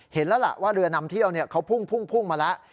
เห็นแล้วล่ะว่าเรือนำเที่ยวเขาพุ่งมาแล้ว